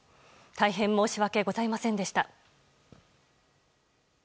大変申し訳ございませんでした。